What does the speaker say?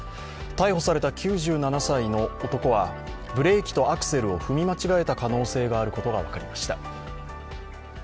逮捕された９７歳の男はブレーキとアクセルを踏み間違えた可能性があることが分かりました。